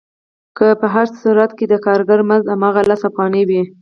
که په هر ساعت کې د کارګر مزد هماغه لس افغانۍ وي